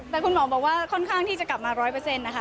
แต่คุณหมอบอกว่าค่อนข้างที่จะกลับมา๑๐๐นะคะ